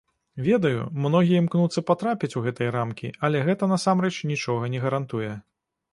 Ведаю, многія імкнуцца патрапіць у гэтыя рамкі, але гэта насамрэч нічога не гарантуе.